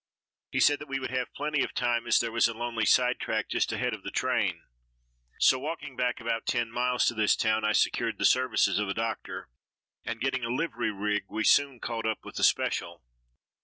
He said that we would have plenty of time, as there was a lonely sidetrack just ahead of the train. So walking back about ten miles to this town, I secured the services of a doctor, and getting a livery rig we soon caught up with the special.